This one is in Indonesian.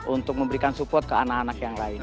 untuk memberikan support ke anak anak yang lain